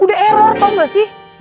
udah error tau gak sih